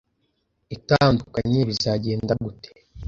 itandukanye bizagenda gute